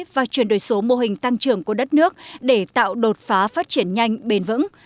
và chuyển đổi số mô hình tăng trưởng của đất nước để tạo đột phá phát triển nhanh bền vững